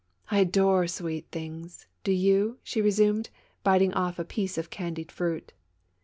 " I adore sweet things, do you ?" she resumed, biting off a piece of candied fruit.